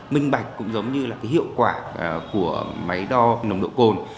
minh bạch cũng giống như là hiệu quả của máy đo nồng độ cồn